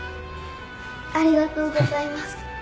ありがとうございます。